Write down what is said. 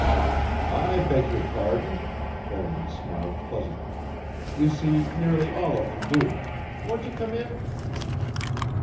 "I beg your pardon," Thornly smiled pleasantly, "you see nearly all of them do. Won't you come in?"